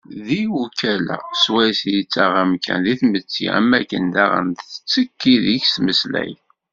Deg ukala s wayes yettaɣ amkan di tmetti, am wakken daɣen tettekki deg-s tmeslayt.